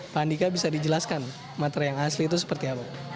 pak andika bisa dijelaskan materai yang asli itu seperti apa